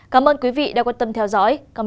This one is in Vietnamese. cảm ơn quý vị đã quan tâm theo dõi